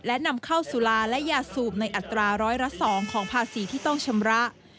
และนำเข้าสุราและยาสูบในอัตราร้อยละ๒ของภาษีที่ต้องชำระ